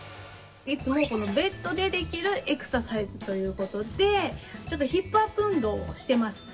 いつもベッドでできるエクササイズということでヒップアップ運動をしています。